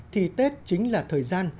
thì tết chính là thời gian